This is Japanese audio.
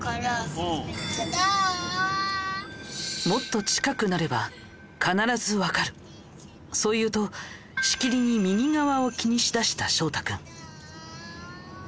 もっと近くなれば必ずわかるそう言うとしきりに右側を気にしだした翔太君。